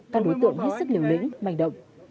các đối tượng hết sức liều lĩnh mạnh động